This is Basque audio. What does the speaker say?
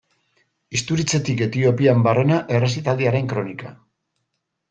Isturitzetik Etiopian barrena errezitaldiaren kronika.